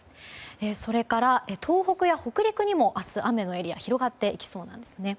それから東北や北陸にも明日雨のエリア広がっていきそうなんです。